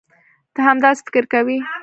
تۀ هم داسې فکر کوې؟